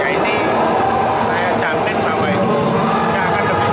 ya ini saya jamin bahwa itu tidak akan lebih rendah